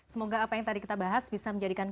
semoga apa yang tadi kita bahas bisa menjadikan